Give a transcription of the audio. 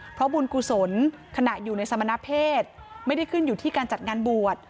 เพราะบุญกุศลขณะอยู่ในสมณเพศไม่ได้ขึ้นอยู่ที่การจัดงานบวช